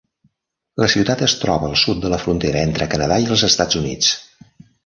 La ciutat es troba al sud de la frontera entre Canadà i els Estats Units.